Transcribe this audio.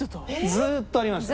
ずっとありました。